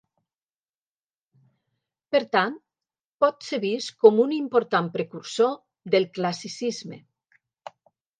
Per tant, pot ser vist com un important precursor del classicisme.